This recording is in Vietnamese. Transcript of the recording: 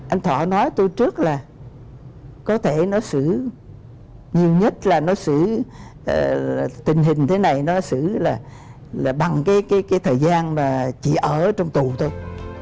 anh thọ nói tôi trước là có thể nó xử nhiều nhất là nó xử tình hình thế này nó xử là bằng cái thời gian mà chỉ ở trong tù thôi